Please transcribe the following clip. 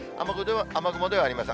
雨雲ではありません。